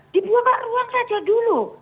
dibuang ke ruang saja dulu